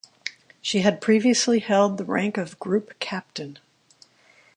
She had previously held the rank of group captain.